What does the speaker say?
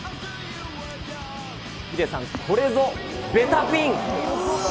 ヒデさん、これぞベタピン。